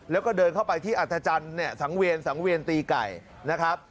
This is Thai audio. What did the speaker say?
แล้วก็เดินเข้าไปที่อัธจันทร์เนี่ยสังเวียนสังเวียนตีไก่นะครับ